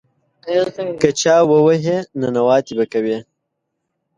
که چا ووهې، ننواتې به کوې.